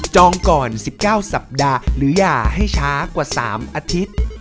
ก่อน๑๙สัปดาห์หรือหย่าให้ช้ากว่า๓อาทิตย์